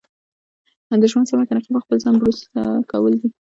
د ژوند سمه طریقه په خپل ځان بروسه کول دي.